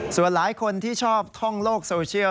ส่วนหลายคนที่ชอบท่องโลกโซเชียล